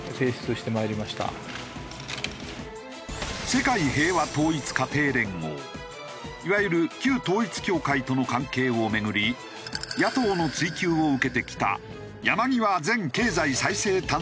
世界平和統一家庭連合いわゆる旧統一教会との関係を巡り野党の追及を受けてきた山際前経済再生担当大臣。